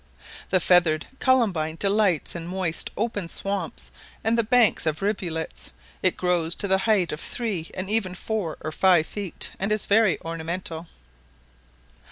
The feathered columbine delights in moist open swamps, and the banks of rivulets; it grows to the height of three, and even four and five feet, and is very ornamental.